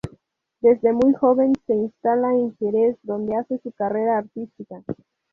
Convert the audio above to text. Desde muy joven se instala en Jerez, donde hace su carrera artística.